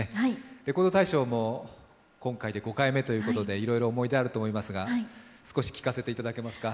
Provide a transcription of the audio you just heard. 「レコード大賞」も今回で５回目ということで、いろいろ思い出あると思いますが少し聞かせていただけますか？